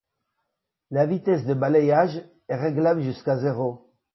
La vitesse de balayage est réglable jusqu'à zéro.